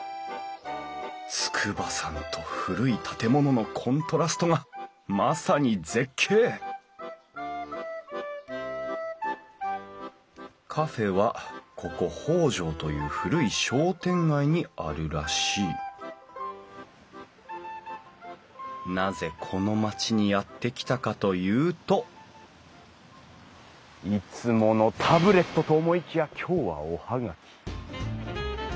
筑波山と古い建物のコントラストがまさに絶景カフェはここ北条という古い商店街にあるらしいなぜこの町にやって来たかというといつものタブレットと思いきや今日はお葉書。